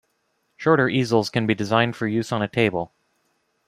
Shorter easels can be designed for use on a table.